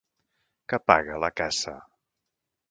Que paga la caça?